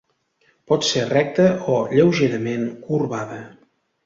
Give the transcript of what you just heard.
Pot ser recta o lleugerament corbada.